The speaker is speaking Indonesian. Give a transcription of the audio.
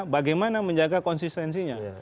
bagaimana menjaga konsistensinya